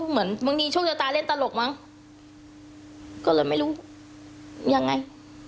เหมือนเมื่อกี้โชคเจ้าตาเล่นตลกมั้งก็เลยไม่รู้ยังไง